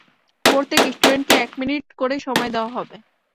প্রত্যেক স্টুডেন্টকে এক মিনিট করে সময় দেওয়া হবে।